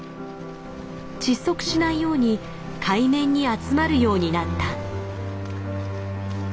窒息しないように海面に集まるようになった。